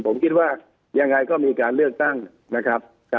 ผมคิดว่ายังไงก็มีการเลือกตั้งนะครับ